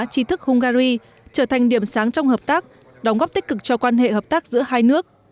trí thức hungary trở thành điểm sáng trong hợp tác đóng góp tích cực cho quan hệ hợp tác giữa hai nước